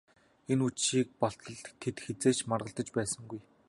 Энэ үдшийг болтол тэд хэзээ ч маргалдаж байсангүй.